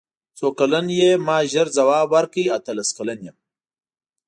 څو کلن یې ما ژر ځواب ورکړ اتلس کلن یم.